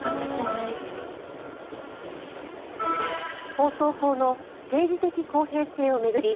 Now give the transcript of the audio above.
放送法の政治的公平性を巡り